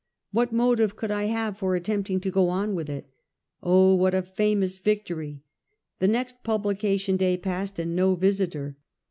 What motive could I have for attempting to go on with it? Oh, what a famous victory. The next pub lication day passed and no Visiter.